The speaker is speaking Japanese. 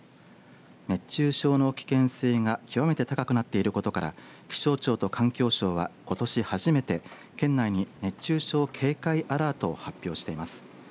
熱中症の危険性が極めて高くなっていることから気象庁と環境省はことし初めて県内に熱中症警戒アラートを発表しています。